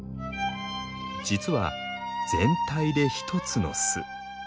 実は全体で一つの巣。